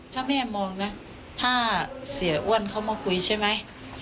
ถ้าแม่มองนะถ้าเสียอ้วนเขามาคุยใช่ไหม